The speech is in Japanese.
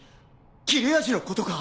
切れ味のことか！？